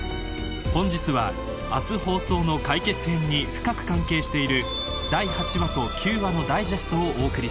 ［本日は明日放送の解決編に深く関係している第８話と９話のダイジェストをお送りします］